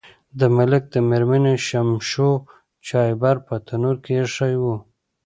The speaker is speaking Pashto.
د ملک د میرمنې شمشو چایبر په تنور کې ایښی و.